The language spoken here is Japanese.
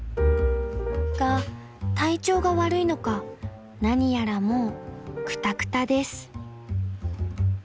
［が体調が悪いのか何やらもうくたくたです］